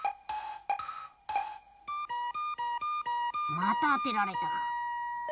またあてられた。